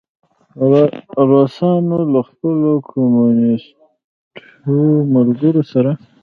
روسانو له خپلو کمونیسټو ملګرو سره.